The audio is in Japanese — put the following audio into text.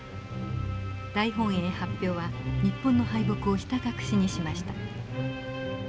大本営発表は日本の敗北をひた隠しにしました。